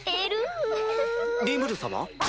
リムル様？